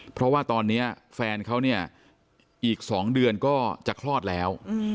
เพราะว่าตอนนี้แฟนเขาเนี่ยอีก๒เดือนก็จะคลอดแล้ว